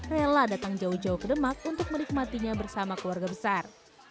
rela datang jauh jauh ke demak untuk menikmatinya bersama keluarga besar